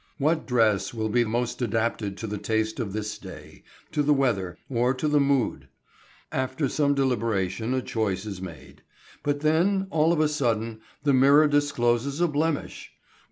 What dress will be most adapted to the taste of this day, to the weather, or to the mood? After some deliberation a choice is made. But then, all of a sudden, the mirror discloses a blemish!